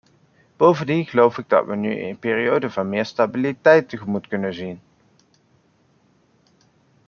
Bovendien geloof ik dat we nu een periode van meer stabiliteit tegemoet kunnen zien.